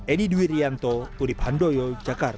edi dwiryanto udipandoyo jakarta